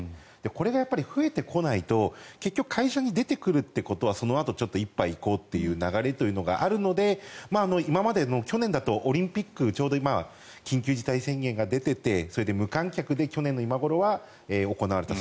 これがやっぱり増えてこないと結局会社に出てくるということはそのあと一杯行こうという流れというのがあるので今までの去年だとオリンピックでちょうど今、緊急事態宣言が出ていて無観客で去年の今頃は行われた。